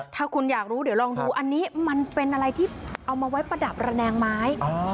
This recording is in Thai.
ถ้าคุณอยากรู้เดี๋ยวลองดูอันนี้มันเป็นอะไรที่เอามาไว้ประดับระแนงไม้